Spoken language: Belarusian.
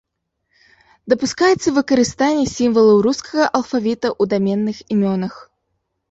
Дапускаецца выкарыстанне сімвалаў рускага алфавіта ў даменных імёнах.